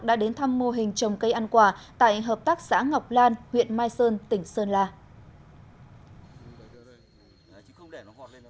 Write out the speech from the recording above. đã đến thăm mô hình trồng cây ăn quả tại hợp tác xã ngọc lan huyện mai sơn tỉnh sơn la